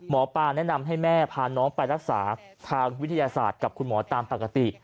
หมอปลาแนะนำให้แม่พาน้องไปรักษาทางวิทยาศาสตร์กับคุณหมอตามปกติ